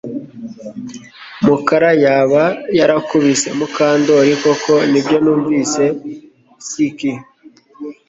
Mukara yaba yarakubise Mukandoli koko Nibyo numvise CK